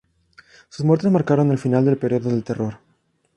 Sus muertes marcaron el final del periodo del Terror.